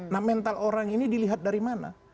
nah mental orang ini dilihat dari mana